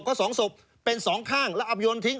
เพราะสองสกเป็นสองข้างแล้วอับโยนทิ้ง